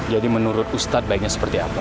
jadi menurut ustaz baiknya seperti apa